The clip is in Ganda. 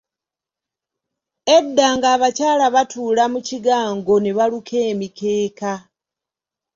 Edda ng'abakyala batuula mu kigango ne baluka emikeeka.